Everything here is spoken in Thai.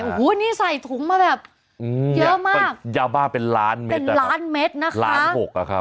โอ้โหนี่ใส่ถุงมาแบบเยอะมากยาบ้าเป็นล้านเม็ดเป็นล้านเม็ดนะคะล้านหกอ่ะครับ